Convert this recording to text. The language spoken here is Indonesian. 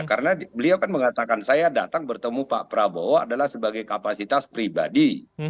karena beliau kan mengatakan saya datang bertemu pak prabowo adalah sebagai kapasitas pribadi